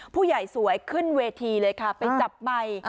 ผู้ใหญ่สวยขึ้นเวทีเลยค่ะไปจับใบ